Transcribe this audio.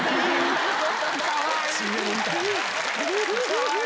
かわいい！